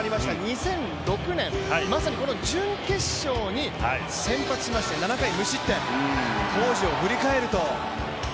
２００６年、まさに準決勝に先発しまして７回無失点、当時を振り返ると？